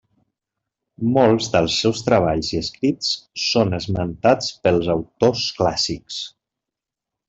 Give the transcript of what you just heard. Molts dels seus treballs i escrits són esmentats pels autors clàssics.